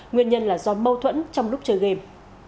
nguyên nhân là do mâu thuẫn trong lúc chơi game